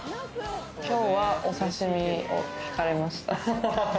今日はお刺身を聞かれました。